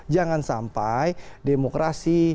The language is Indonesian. jangan sampai demokrasi